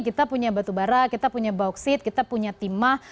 kita punya batu bara kita punya bauksit kita punya timah